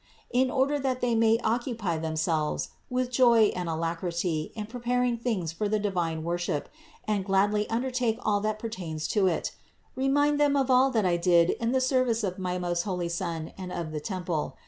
In order that they may occupy themselves with joy and alacrity in preparing things for the divine wor ship, and gladly undertake all that pertains to it, remind them of all that I did in the service of my most holy Son and of the temple.